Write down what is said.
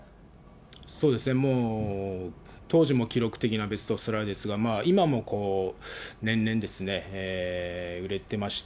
そうですね、もう当時も記録的なベストセラーですが、今も年々、売れてまして。